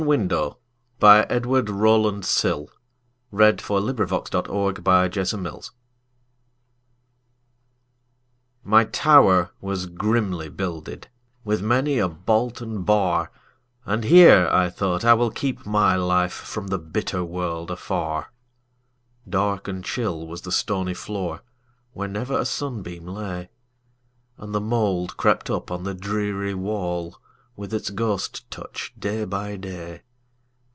Edward Rowland Sill 1841–1887 Edward Rowland Sill 207 The Open Window MY tower was grimly builded, With many a bolt and bar,"And here," I thought, "I will keep my lifeFrom the bitter world afar."Dark and chill was the stony floor, Where never a sunbeam lay, And the mould crept up on the dreary wall, With its ghost touch, day by day.